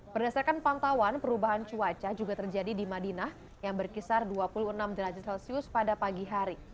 berdasarkan pantauan perubahan cuaca juga terjadi di madinah yang berkisar dua puluh enam derajat celcius pada pagi hari